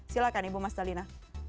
silakan ibu mas dalina